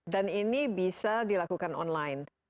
dan ini bisa dilakukan online